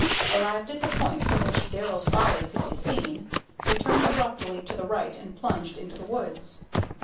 Arrived at the point from which "Darrell's Folly" could be seen, they turned abruptly to the right and plunged into the woods.